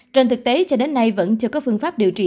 trên thực tế cho đến nay vẫn chưa có phương pháp điều trị